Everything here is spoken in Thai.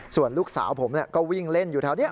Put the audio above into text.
ส่วนลูกสาวผมก็วิ่งเล่นอยู่แถวนี้